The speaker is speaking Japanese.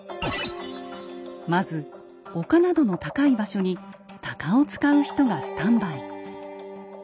まず丘などの高い場所に鷹を使う人がスタンバイ。